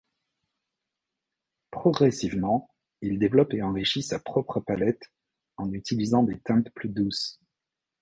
Progressivement, il développe et enrichit sa propre palette en utilisant des teintes plus douces.